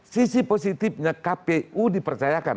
sisi positifnya kpu dipercayakan